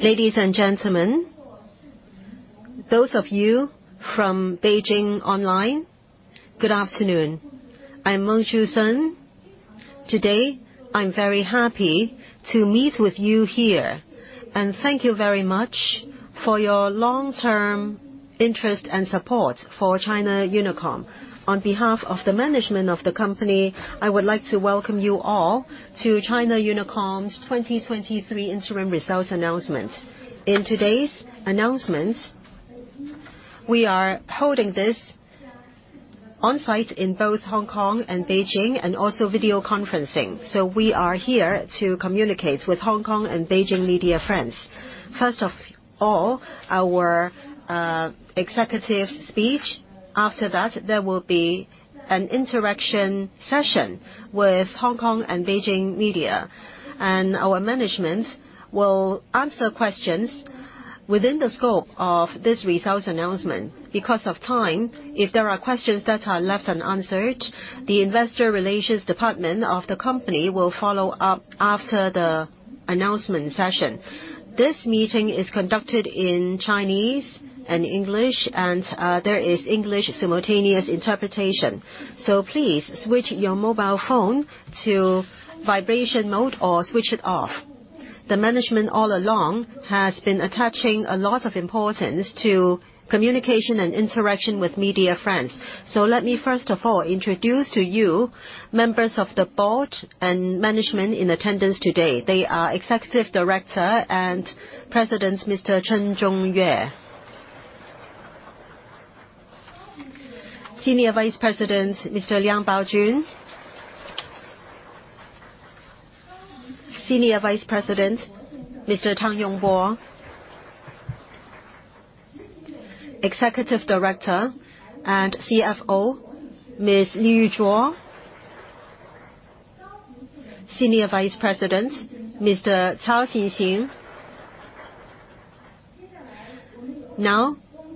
Ladies and gentlemen, those of you from Beijing Online, good afternoon. I'm Meng Shusen. Today, I'm very happy to meet with you here, and thank you very much for your long-term interest and support for China Unicom. On behalf of the management of the company, I would like to welcome you all to China Unicom's 2023 interim results announcement. In today's announcement, we are holding this on-site in both Hong Kong and Beijing, and also video conferencing. We are here to communicate with Hong Kong and Beijing media friends. First of all, our executive speech. After that, there will be an interaction session with Hong Kong and Beijing media, and our management will answer questions within the scope of this results announcement. Because of time, if there are questions that are left unanswered, the Investor Relations department of the company will follow up after the announcement session. This meeting is conducted in Chinese and English, there is English simultaneous interpretation. Please switch your mobile phone to vibration mode or switch it off. The management all along has been attaching a lot of importance to communication and interaction with media friends. Let me, first of all, introduce to you members of the board and management in attendance today. They are Executive Director and President, Mr. Chen Zhongyue, Senior Vice President, Mr. Liang Baojun, Senior Vice President, Mr. Tang Yongbo, Executive Director and CFO, Ms. Li Yuzhuo, Senior Vice President, Mr. Cao Xingxin.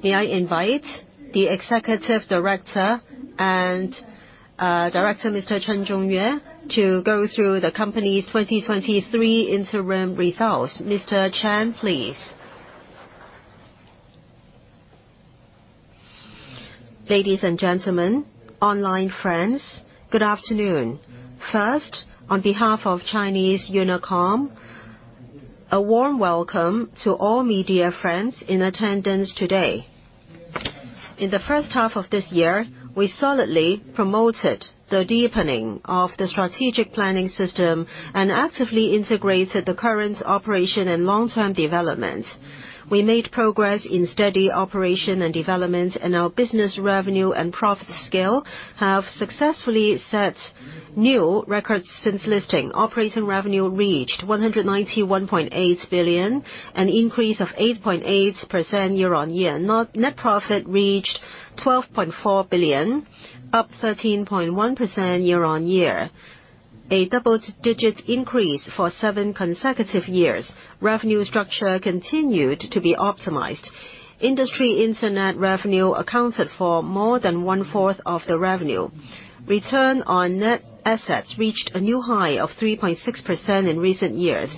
May I invite the Executive Director and Director, Mr. Chen Zhongyue, to go through the company's 2023 interim results. Mr. Chen, please. Ladies and gentlemen, online friends, good afternoon. First, on behalf of China Unicom, a warm welcome to all media friends in attendance today. In the first half of this year, we solidly promoted the deepening of the strategic planning system and actively integrated the current operation and long-term developments. We made progress in steady operation and development, and our business revenue and profit scale have successfully set new records since listing. Operating revenue reached 191.8 billion, an increase of 8.8% year-on-year. Net profit reached 12.4 billion, up 13.1% year-on-year, a double-digit increase for seven consecutive years. Revenue structure continued to be optimized. Industrial Internet revenue accounted for more than one-fourth of the revenue. Return on net assets reached a new high of 3.6% in recent years.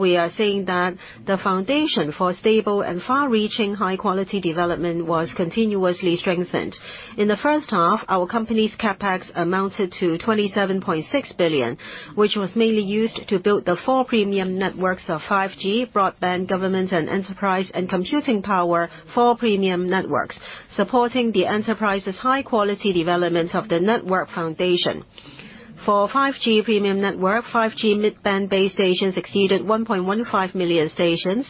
We are saying that the foundation for stable and far-reaching high-quality development was continuously strengthened. In the first half, our company's CapEx amounted to 27.6 billion, which was mainly used to build the four premium networks of 5G, broadband, government, and enterprise, and computing power, four premium networks, supporting the enterprise's high-quality development of the network foundation. For 5G premium network, 5G mid-band base stations exceeded 1.15 million stations.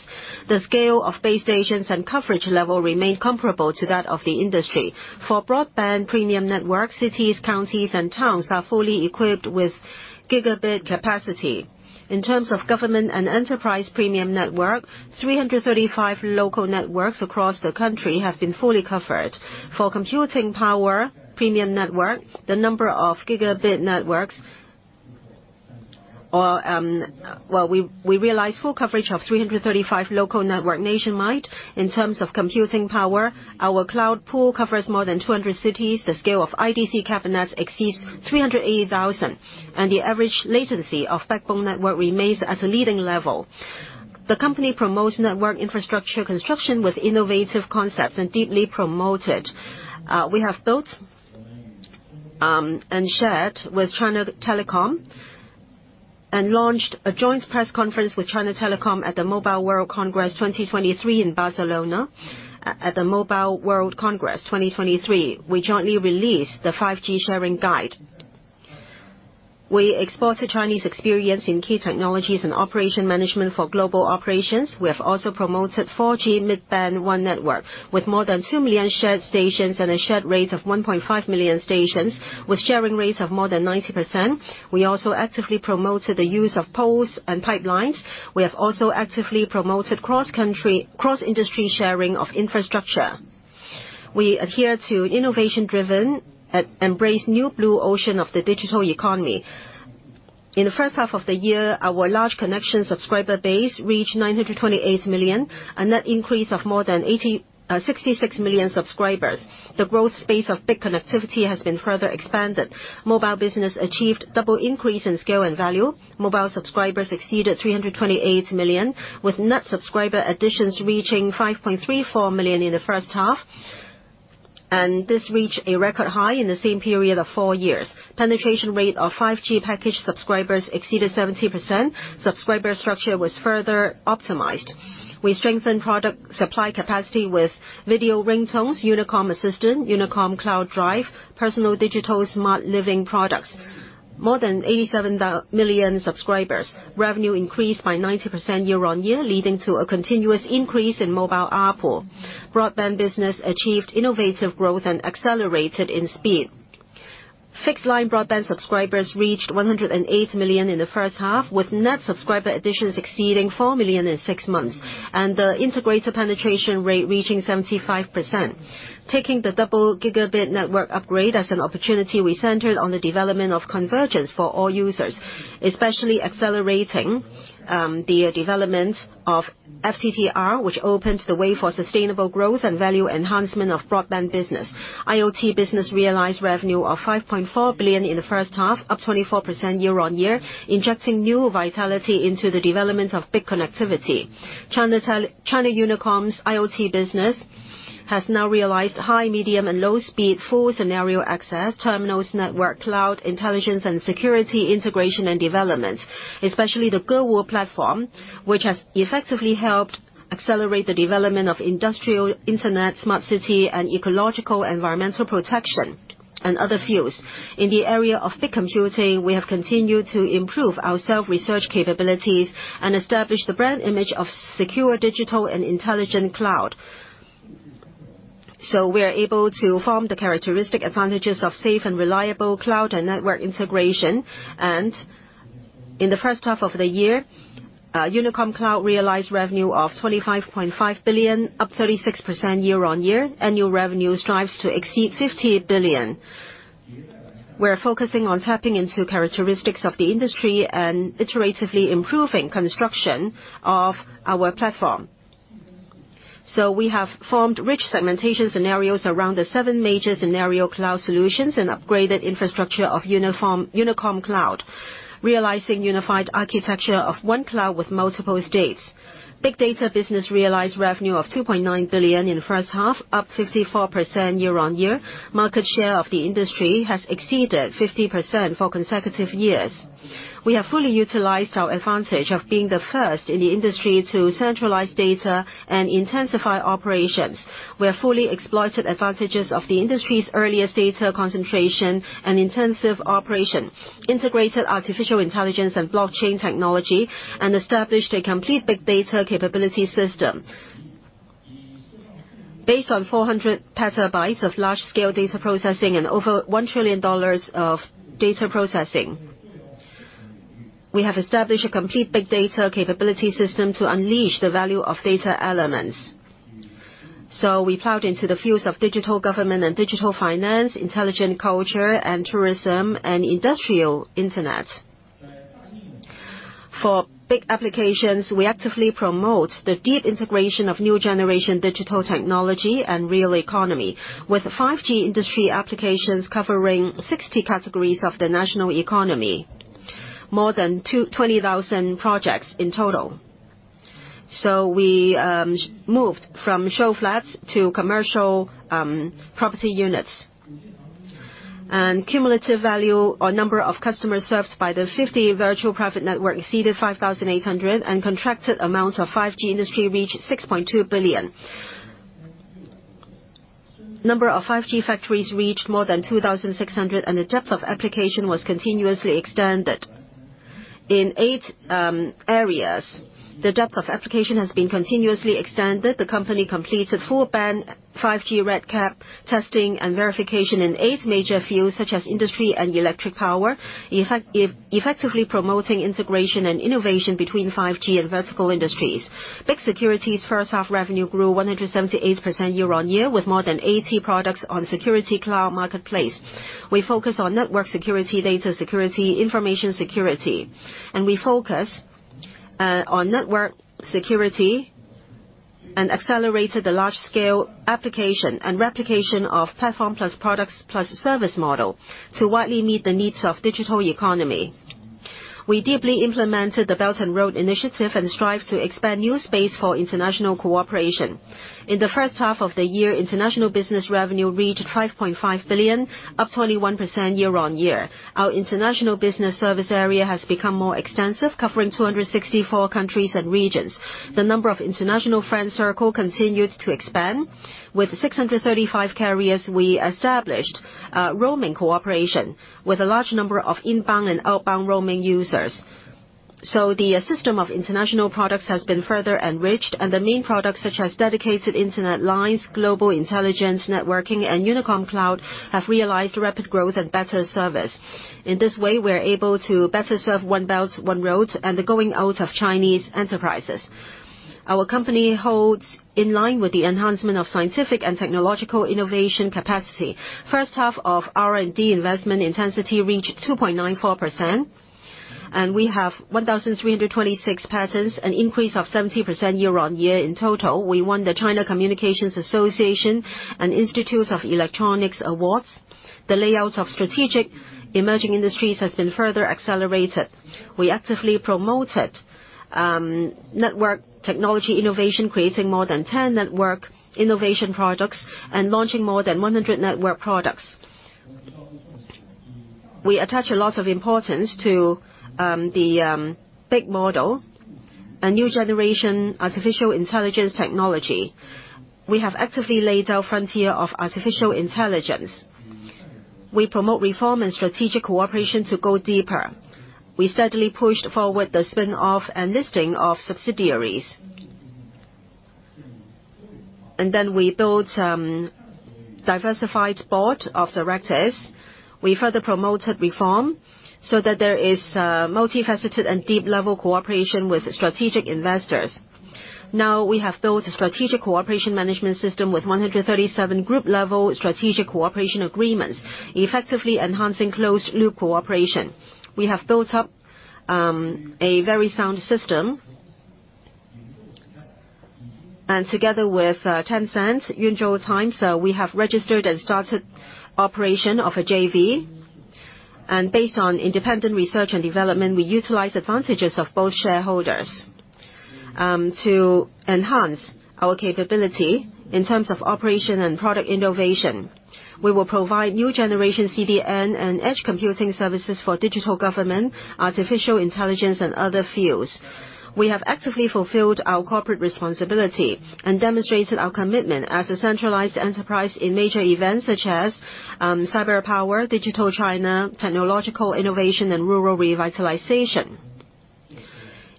The scale of base stations and coverage level remained comparable to that of the industry. For broadband premium network, cities, counties, and towns are fully equipped with gigabit capacity. In terms of government and enterprise premium network, 335 local networks across the country have been fully covered. For computing power premium network, the number of gigabit networks or Well, we, we realized full coverage of 335 local network nationwide. In terms of computing power, our cloud pool covers more than 200 cities. The scale of IDC cabinets exceeds 380,000, and the average latency of backbone network remains at a leading level. The company promotes network infrastructure construction with innovative concepts and deeply promote it. We have built and shared with China Telecom and launched a joint press conference with China Telecom at the Mobile World Congress 2023 in Barcelona. At the Mobile World Congress 2023, we jointly released the 5G Sharing Guide. We exported Chinese experience in key technologies and operation management for global operations. We have also promoted 4G mid-band one network with more than 2 million shared stations and a shared rate of 1.5 million stations, with sharing rates of more than 90%. We also actively promoted the use of poles and pipelines. We have also actively promoted cross-country, cross-industry sharing of infrastructure. We adhere to innovation-driven and embrace new blue ocean of the digital economy. In the first half of the year, our large connection subscriber base reached 928 million, a net increase of more than 66 million subscribers. The growth space of big connectivity has been further expanded. Mobile business achieved double increase in scale and value. Mobile subscribers exceeded 328 million, with net subscriber additions reaching 5.34 million in the first half. This reached a record high in the same period of four years. Penetration rate of 5G package subscribers exceeded 70%, subscriber structure was further optimized. We strengthened product supply capacity with video ringtones, Unicom Assistant, Unicom Cloud Drive, personal digital smart living products. More than 87 million subscribers. Revenue increased by 90% year-on-year, leading to a continuous increase in mobile ARPU. Broadband business achieved innovative growth and accelerated in speed. Fixed line broadband subscribers reached 108 million in the first half, with net subscriber additions exceeding 4 million in six months, and the integrator penetration rate reaching 75%. Taking the double gigabit network upgrade as an opportunity, we centered on the development of convergence for all users, especially accelerating the development of FTTR, which opened the way for sustainable growth and value enhancement of broadband business. IoT business realized revenue of $5.4 billion in the first half, up 24% year-on-year, injecting new vitality into the development of big connectivity. China Unicom's IoT business has now realized high, medium and low speed, full scenario access, terminals, network, cloud, intelligence and security, integration and development. Especially the GeWu platform, which has effectively helped accelerate the development of industrial, internet, smart city and ecological environmental protection and other fields. In the area of big computing, we have continued to improve our self-research capabilities and establish the brand image of secure, digital and intelligent cloud. We are able to form the characteristic advantages of safe and reliable cloud and network integration. In the first half of the year, Unicom Cloud realized revenue of 25.5 billion, up 36% year-on-year. Annual revenue strives to exceed 50 billion. We're focusing on tapping into characteristics of the industry and iteratively improving construction of our platform. We have formed rich segmentation scenarios around the seven major scenario cloud solutions and upgraded infrastructure of Unicom Cloud, realizing unified architecture of one cloud with multiple states. Big data business realized revenue of $2.9 billion in the first half, up 54% year-on-year. Market share of the industry has exceeded 50% for consecutive years. We have fully utilized our advantage of being the first in the industry to centralize data and intensify operations. We have fully exploited advantages of the industry's earliest data concentration and intensive operation, integrated artificial intelligence and blockchain technology, and established a complete big data capability system. Based on 400 petabytes of large-scale data processing and over $1 trillion of data processing, we have established a complete big data capability system to unleash the value of data elements. We plowed into the fields of digital government and digital finance, intelligent culture and tourism and industrial Internet. For big applications, we actively promote the deep integration of new generation digital technology and real economy, with 5G industry applications covering 60 categories of the national economy, more than 20,000 projects in total. We moved from show flats to commercial property units. Cumulative value or number of customers served by the 50 virtual private network exceeded 5,800, and contracted amounts of 5G industry reached 6.2 billion. Number of 5G factories reached more than 2,600, and the depth of application was continuously extended. In eight areas, the depth of application has been continuously extended. The company completed full band 5G RedCap testing and verification in eight major fields, such as industry and electric power, effectively promoting integration and innovation between 5G and vertical industries. Big Data Security first half revenue grew 178% year-on-year, with more than 80 products on security cloud marketplace. We focus on network security, data security, information security, and we focus on network security and accelerated the large scale application and replication of platform plus products plus service model to widely meet the needs of digital economy. We deeply implemented the Belt and Road Initiative and strive to expand new space for international cooperation. In the first half of the year, international business revenue reached 5.5 billion, up 21% year-on-year. Our international business service area has become more extensive, covering 264 countries and regions. The number of international friend circle continued to expand. With 635 carriers, we established roaming cooperation with a large number of inbound and outbound roaming users. The system of international products has been further enriched, and the main products, such as dedicated internet lines, global intelligence networking, and Unicom Cloud, have realized rapid growth and better service. In this way, we are able to better serve One Belt, One Road, and the going out of Chinese enterprises. Our company holds in line with the enhancement of scientific and technological innovation capacity. First half of R&D investment intensity reached 2.94%, and we have 1,326 patents, an increase of 70% year-on-year in total. We won the China Institute of Communications and Chinese Institute of Electronics awards. The layout of strategic emerging industries has been further accelerated. We actively promoted network technology innovation, creating more than 10 network innovation products, and launching more than 100 network products.... We attach a lot of importance to the big model, a new generation artificial intelligence technology. We have actively laid out frontier of artificial intelligence. We promote reform and strategic cooperation to go deeper. We steadily pushed forward the spin-off and listing of subsidiaries. We built diversified board of directors. We further promoted reform so that there is multifaceted and deep level cooperation with strategic investors. Now, we have built a strategic cooperation management system with 137 group level strategic cooperation agreements, effectively enhancing closed loop cooperation. We have built up a very sound system. Together with Tencent, Yunzhou Shidai, so we have registered and started operation of a JV. Based on independent research and development, we utilize advantages of both shareholders to enhance our capability in terms of operation and product innovation. We will provide new generation CDN and edge computing services for digital government, artificial intelligence, and other fields. We have actively fulfilled our corporate responsibility and demonstrated our commitment as a centralized enterprise in major events such as cyber power, Digital China, technological innovation, and rural revitalization.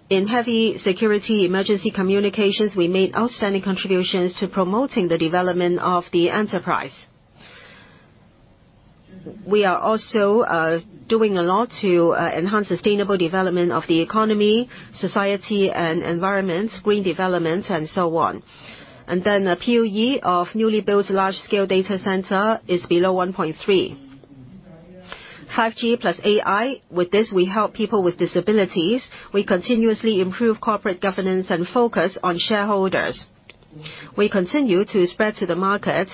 In heavy security emergency communications, we made outstanding contributions to promoting the development of the enterprise. We are also doing a lot to enhance sustainable development of the economy, society, and environment, green development, and so on. A PUE of newly built large-scale data center is below 1.3. 5G plus AI, with this, we help people with disabilities. We continuously improve corporate governance and focus on shareholders. We continue to spread to the market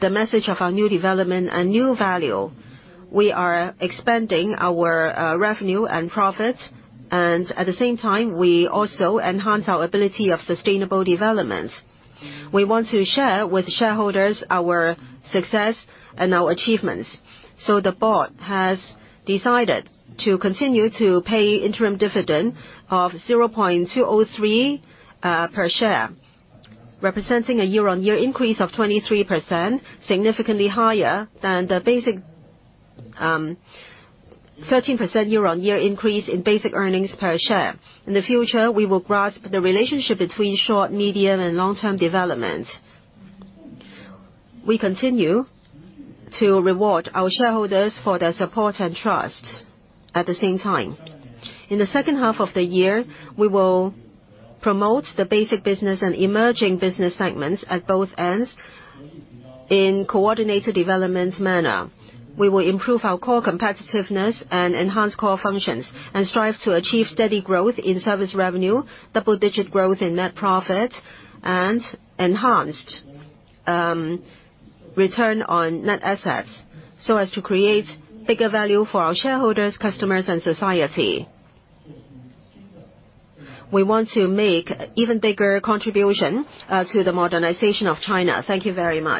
the message of our new development and new value. We are expanding our revenue and profit, and at the same time, we also enhance our ability of sustainable development. We want to share with shareholders our success and our achievements. The board has decided to continue to pay interim dividend of 0.203 per share, representing a year-on-year increase of 23%, significantly higher than the basic 13% year-on-year increase in basic earnings per share. In the future, we will grasp the relationship between short, medium, and long-term development. We continue to reward our shareholders for their support and trust at the same time. In the second half of the year, we will promote the basic business and emerging business segments at both ends in coordinated development manner. We will improve our core competitiveness and enhance core functions, and strive to achieve steady growth in service revenue, double-digit growth in net profit, and enhanced return on net assets, so as to create bigger value for our shareholders, customers, and society. We want to make even bigger contribution to the modernization of China. Thank you very much.